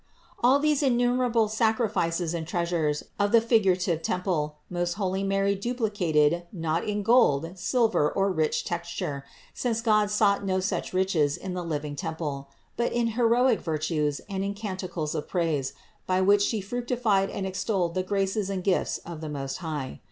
THE INCARNATION 367 All these innumerable sacrifices and treasures of the figurative temple, most holy Mary duplicated not in gold, silver, or rich texture, since God sought no such riches in the living temple, but in heroic virtues and in canticles of praise, by which She fructified and extolled the graces and gifts of the Most High.